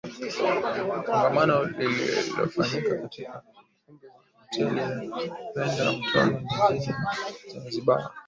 Kongamano lilifanyika katika ukumbi wa Hoteli ya Verde Mtoni Jijini Zanzibar